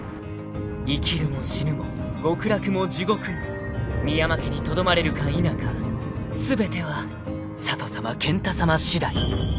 ［生きるも死ぬも極楽も地獄も深山家にとどまれるか否か全ては佐都さま健太さましだい］